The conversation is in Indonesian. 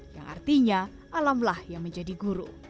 yang artinya alamlah yang menjadi guru